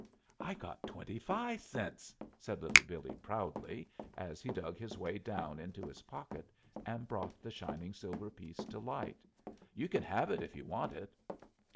"I got twenty fi' cents," said Little Billee proudly, as he dug his way down into his pocket and brought the shining silver piece to light. "You can have it, if you want it."